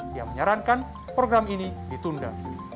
dia menyarankan program ini ditunda